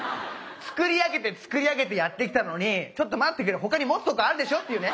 作り上げて作り上げてやってきたのにちょっと待ってくれ他に持つとこあるでしょっていうね。